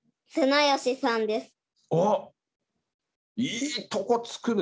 いいとこ突くね。